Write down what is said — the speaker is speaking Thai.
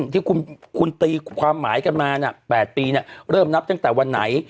ที่คุณตีความหมายกันมา๘ปีเริ่มนับตั้งแต่วันไหน